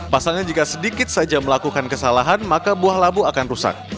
pasalnya jika sedikit saja melakukan kesalahan maka buah labu akan rusak